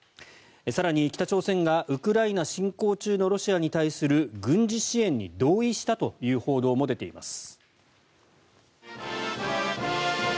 更に、北朝鮮がウクライナ侵攻中のロシアに対する軍事支援に同意したという報道も出ています。